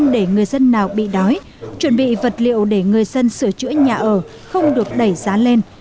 để người dân nào bị đói chuẩn bị vật liệu để người dân sửa chữa nhà ở không được đẩy giá lên